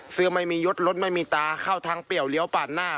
เสื้อไม่มียดรถไม่มีตาเข้าทางเปรี้ยวเลี้ยวปาดหน้า